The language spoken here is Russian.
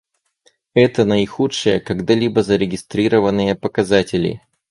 Это наихудшие когда-либо зарегистрированные показатели.